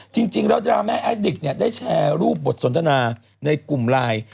จริงแล้วดราม่าแอดดิกเนี่ยได้แชร์รูปบทสนทนาในกลุ่มไลน์